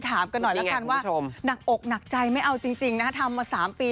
ถามกันหน่อยแล้วกันว่าหนักอกหนักใจไม่เอาจริงนะฮะทำมา๓ปี